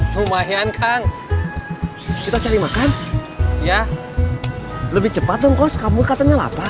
lumayan kang kita cari makan ya lebih cepat dong kos kamu katanya lapar